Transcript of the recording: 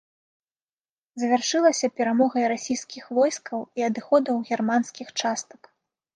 Завяршылася перамогай расійскіх войскаў і адыходам германскіх частак.